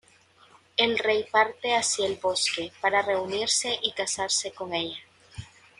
El rey parte hacia el bosque para reunirse y casarse con ella.